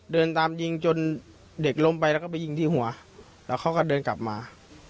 เดินตามยิงจนเด็กล้มไปแล้วก็ไปยิงที่หัวแล้วเขาก็เดินกลับมา